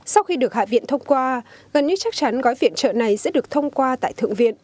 sau khi được hạ viện thông qua gần như chắc chắn gói viện trợ này sẽ được thông qua tại thượng viện